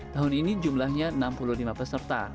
tahun ini jumlahnya enam puluh lima peserta